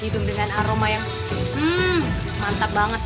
hidung dengan aroma yang mantap banget